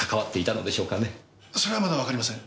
それはまだわかりません。